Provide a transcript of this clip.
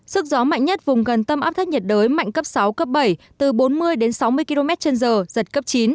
sức gió mạnh nhất vùng gần tâm áp thấp nhiệt đới mạnh cấp sáu bảy từ bốn mươi sáu mươi km chân giờ giật cấp chín